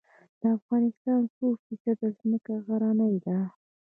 د افغانستان څو فیصده ځمکه غرنۍ ده؟